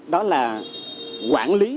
đó là quản lý